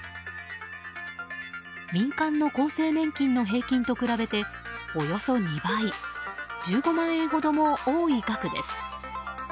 民間の厚生年金の平均と比べておよそ２倍１５万円ほども多い額です。